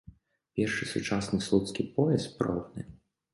Першы сучасны слуцкі пояс пробны.